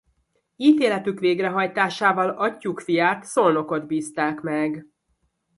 Ítéletük végrehajtásával atyjuk fiát Szolnokot bízták meg.